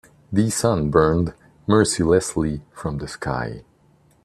The sun burned mercilessly from the sky.